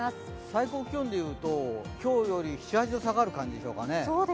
最高気温でいうと今日より７８度、下がる感じでしょうかね。